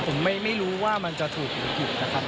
ผมไม่รู้ว่ามันจะถูกหรือผิดนะครับ